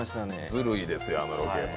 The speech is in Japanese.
ずるいですよ、あのロケ。